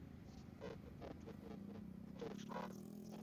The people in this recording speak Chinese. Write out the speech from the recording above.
但不久后并发症突发骤逝。